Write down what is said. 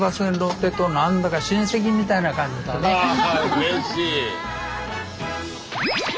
うれしい。